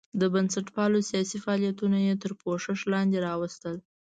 د بنسټپالو سیاسي فعالیتونه یې تر پوښښ لاندې راوستل.